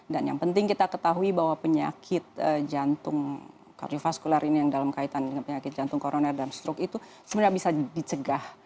dan yang penting kita ketahui bahwa penyakit jantung kardiovaskular ini yang dalam kaitan dengan penyakit jantung koroner dan stroke itu sebenarnya bisa dicegah